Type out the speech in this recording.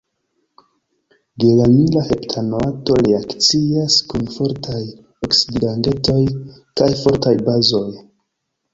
Geranila heptanoato reakcias kun fortaj oksidigagentoj kaj fortaj bazoj.